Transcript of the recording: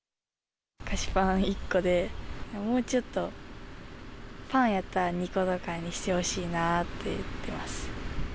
菓子パン１個で、もうちょっと、パンやったら２個とかにしてほしいなって言ってます。